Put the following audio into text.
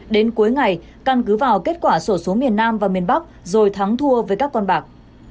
đến cuối ngày căn cứ vào kết quả sổ số miền nam và miền bắc rồi thắng thua với các con bạc